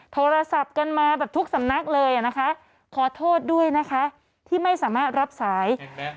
โทรศัพท์กันมาแบบทุกสำนักเลยนะคะขอโทษด้วยนะคะที่ไม่สามารถรับสาย